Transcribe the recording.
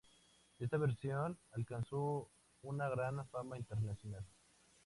Esta versión alcanzó una gran fama internacional.